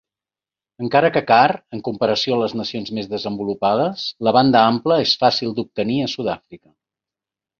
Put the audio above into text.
Encara que car, en comparació amb les nacions més desenvolupades, la banda ampla és fàcil d'obtenir a Sudàfrica.